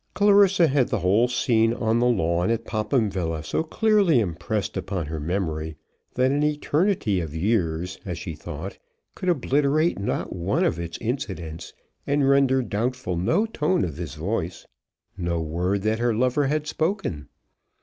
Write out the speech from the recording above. Clarissa had the whole scene on the lawn at Popham Villa so clearly impressed upon her memory, that an eternity of years, as she thought, could obliterate no one of its incidents and render doubtful no tone of his voice, no word that her lover had spoken.